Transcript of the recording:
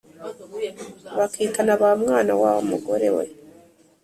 bakitana ba mwana wa mugore we